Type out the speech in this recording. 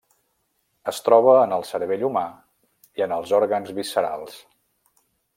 Es troba en el cervell humà i en els òrgans viscerals.